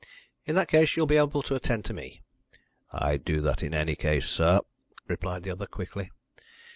"In that case you'll be able to attend to me." "I'd do that in any case, sir," replied the other quickly.